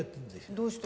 どうして？